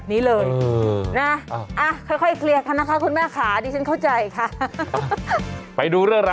มียกมือล่ะหรือเปล่ามียกมือล่ะหรือเปล่า